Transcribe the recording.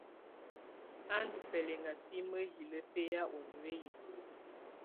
A ndù bɛlɛʼŋa bi mǝhilǝ bɛhaa u nuiyi.